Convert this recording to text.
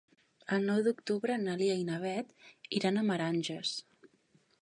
El nou d'octubre na Lia i na Beth iran a Meranges.